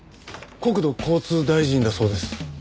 国土交通大臣だそうです。